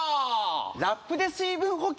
ラップで水分補給？